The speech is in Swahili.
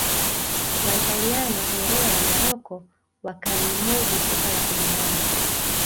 Waitaliano Herera na Rocco wakalilimudu soka la kujihami